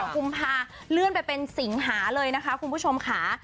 กุมภาเลื่อนไปเป็นสิงหาเลยนะคะคุณผู้ชมค่ะ